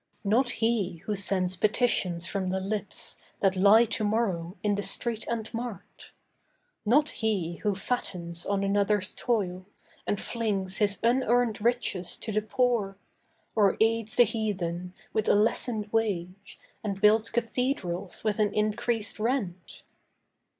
Not he who sends petitions from the lips That lie to morrow in the street and mart. Not he who fattens on another's toil, And flings his unearned riches to the poor, Or aids the heathen with a lessened wage, And builds cathedrals with an increased rent.